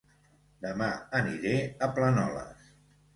Dema aniré a Planoles